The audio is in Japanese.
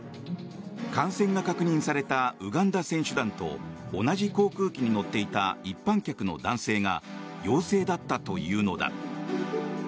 感染が確認されたウガンダ選手団と同じ航空機に乗っていた一般客の男性が陽性だったというのだ。